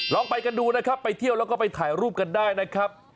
ลองไปกันดูนะครับไปเที่ยวแล้วก็ไปถ่ายรูปกันได้นะครับ